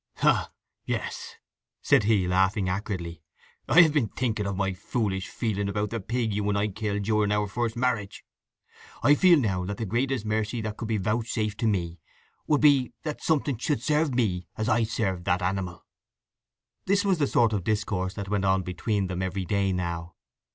"Ah, yes!" said he, laughing acridly. "I have been thinking of my foolish feeling about the pig you and I killed during our first marriage. I feel now that the greatest mercy that could be vouchsafed to me would be that something should serve me as I served that animal." This was the sort of discourse that went on between them every day now.